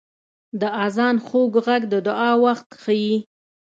• د آذان خوږ ږغ د دعا وخت ښيي.